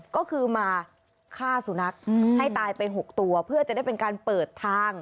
ก็คือมาฆ่าสุนัขให้ตายไป๖ตัวเพื่อจะได้เป็นการเปิดทาง